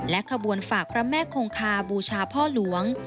ขบวนฝากพระแม่คงคาบูชาพ่อหลวง